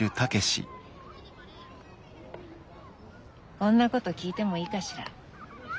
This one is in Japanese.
こんなこと聞いてもいいかしら？